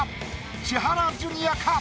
千原ジュニアか？